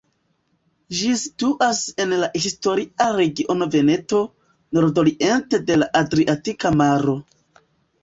Ĝi situas en la historia regiono Veneto, nordoriente de la Adriatika Maro.